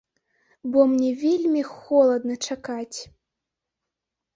Бо мне вельмі холадна чакаць.